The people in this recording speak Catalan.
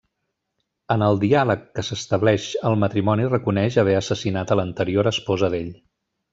En el diàleg que s'estableix el matrimoni reconeix haver assassinat a l'anterior esposa d'ell.